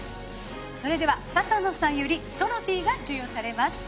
それでは笹野さんよりトロフィーが授与されます。